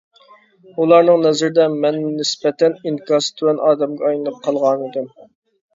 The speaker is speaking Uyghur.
ئۇلارنىڭ نەزىرىدە مەن نىسبەتەن ئىنكاسى تۆۋەن ئادەمگە ئايلىنىپ قالغانىدىم.